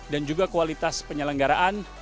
dan juga kualitas penyelenggaraan